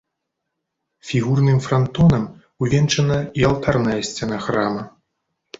Фігурным франтонам увенчана і алтарная сцяна храма.